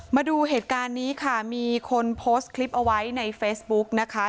มาดูเหตุการณ์นี้ค่ะมีคนโพสต์คลิปเอาไว้ในเฟซบุ๊กนะคะ